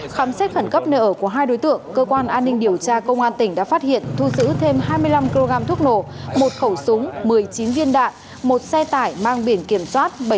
khám xét khẩn cấp nơi ở của hai đối tượng cơ quan an ninh điều tra công an tỉnh đã phát hiện thu giữ thêm hai mươi năm kg thuốc nổ một khẩu súng một mươi chín viên đạn một xe tải mang biển kiểm soát bảy mươi ba c một nghìn hai mươi